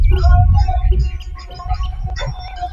হ্যাঁ, তুমি আমার হয়ে কাজ করতে পারবে।